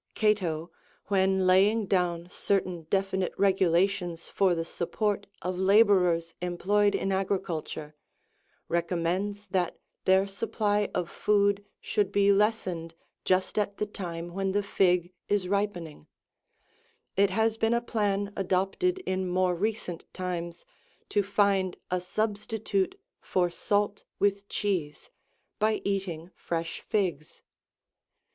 91 Cato,92 when laying down certain defi nite regulations for the support of labourers employed in agri culture, recommends that their supply of food should be lessened just at the time 93 when the fig is ripening : it has been a plan adopted in more recent times, to find a substitute for salt with cheese, by eating fresh figs.